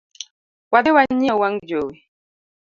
Wadhi wanyiew wang jowi